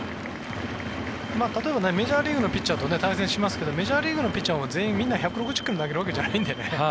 例えばメジャーリーグのピッチャーと対戦しますけどメジャーリーグのピッチャーも全員１６０ｋｍを投げるわけじゃないんでね。